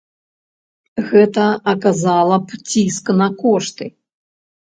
Гэта аказала б ціск на кошты.